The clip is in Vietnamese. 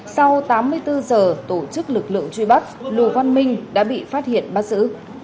sau tám mươi bốn giờ tổ chức lực lượng truy bắt lù văn minh đã bị phát hiện bắt giữ